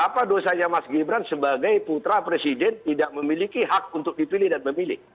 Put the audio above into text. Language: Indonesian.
apa dosanya mas gibran sebagai putra presiden tidak memiliki hak untuk dipilih dan memilih